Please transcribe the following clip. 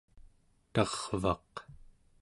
tarvaq